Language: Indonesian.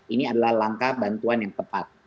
ini adalah langkah bantuan yang tepat